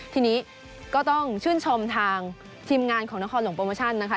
ทีนี้ก็ต้องชื่นชมทางทีมงานของนครหลวงโปรโมชั่นนะคะ